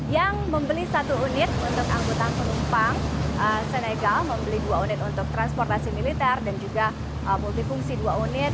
yang membeli satu unit untuk angkutan penumpang senegal membeli dua unit untuk transportasi militer dan juga multifungsi dua unit